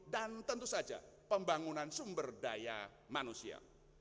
dan tentu saja pembangunan sumber daya manusia